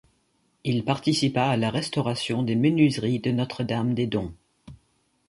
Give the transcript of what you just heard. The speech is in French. Il participa à la restauration des menuiseries de Notre-Dame des Doms.